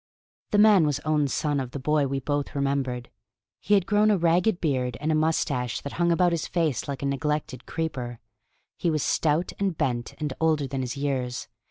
The man was own son of the boy we both remembered. He had grown a ragged beard and a moustache that hung about his face like a neglected creeper. He was stout and bent and older than his years.